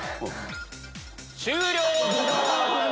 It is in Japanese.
終了！